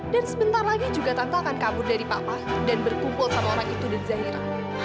dan sebentar lagi juga tante akan kabur dari papa dan berkumpul sama orang itu dan zairah